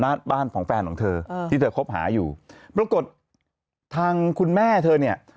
หน้าบ้านของแฟนของเธอที่เธอคบหาอยู่ปรากฏทางคุณแม่เธอเนี่ย